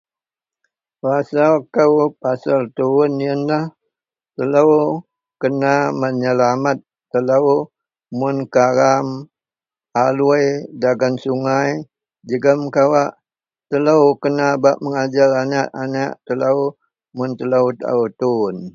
Rasa kou pasel tuwon iyenlah telo kena menyelamet telo mun karam aloi dagen sungai jegem kawak telo kena bak mengajer anek-anek telo mun telo taau tuwon.